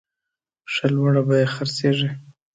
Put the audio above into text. ښه لوړه بیه خرڅیږي.